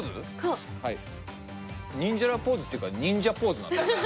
ニンジャラポーズっていうか忍者ポーズなんだけど。